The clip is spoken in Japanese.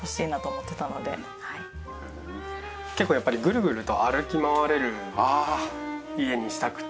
結構やっぱりグルグルと歩き回れる家にしたくて。